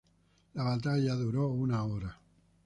La batalla duró una hora.